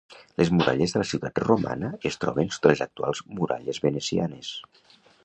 Les muralles de la ciutat romana es troben sota les actuals muralles venecianes.